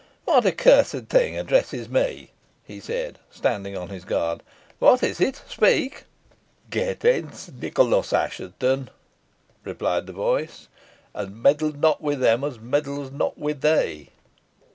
"What accursed thing addresses me?" he said, standing on his guard. "What is it? Speak!" "Get hence, Nicholas Assheton," replied the voice; "an' meddle not wi' them os meddles not wi' thee."